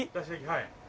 はい。